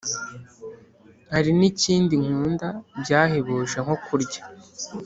Harinikindi nkunda byahebuje nko kurya